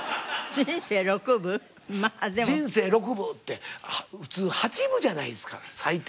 人生六分って普通八分じゃないですか最低。